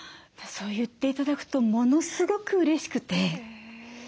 そう言って頂くとものすごくうれしくて。